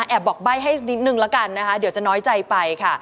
บอกใบ้ให้นิดนึงแล้วกันนะคะเดี๋ยวจะน้อยใจไปค่ะ